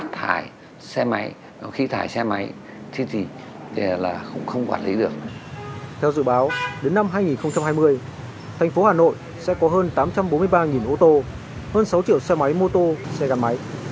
thành phố hà nội sẽ có hơn tám trăm bốn mươi ba ô tô hơn sáu triệu xe máy mô tô xe gắn máy